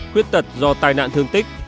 khuyết tật do tai nạn thương tích